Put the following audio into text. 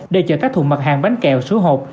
để chở các thùng mặt hàng bánh kẹo sữa hộp